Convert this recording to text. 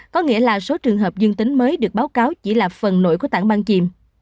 có nghĩa là số trường hợp dương tính mới được báo cáo chỉ là phần nổi của tảng băng chìm